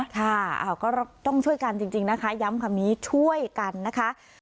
ค่ะก็ต้องช่วยกันจริงนะคะย้ำคำนี้ช่วยกันนะคะ